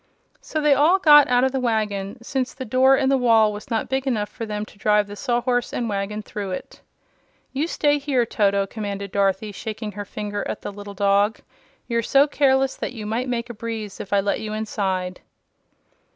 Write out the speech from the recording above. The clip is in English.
So they all got out of the wagon, since the door in the wall was not big enough for them to drive the Sawhorse and wagon through it. "You stay here, Toto!" commanded Dorothy, shaking her finger at the little dog. "You're so careless that you might make a breeze if I let you inside."